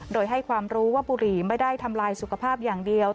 โดยให้ความรู้ว่าบุหรี่ไม่ได้ทำลายสุขภาพอย่างเดียว